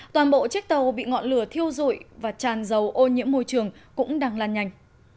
toàn bộ chiếc tàu bị ngọn lửa thiêu dụi và tràn dầu ô nhiễm môi trường cũng đang lan nhanh